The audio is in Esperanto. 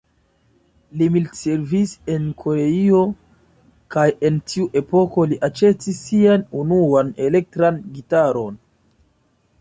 Li militservis en Koreio, kaj en tiu epoko li aĉetis sian unuan elektran gitaron.